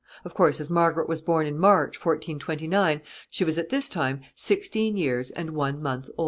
Of course, as Margaret was born in March, 1429, she was at this time sixteen years and one month old.